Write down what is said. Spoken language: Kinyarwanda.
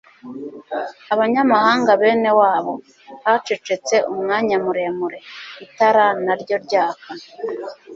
abanyamahanga bene wabo. hacecetse umwanya muremure. itara na ryo ryaka